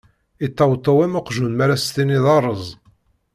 Iṭṭewṭew am uqjun mi ara s tiniḍ: ṛṛeẓ!